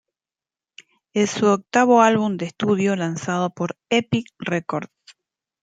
Es su octavo álbum de estudio lanzado por Epic Records.